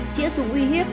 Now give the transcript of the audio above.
chĩa súng uy hiếp